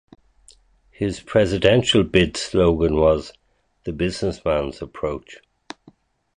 His presidential bid slogan was "The Businessman's Approach".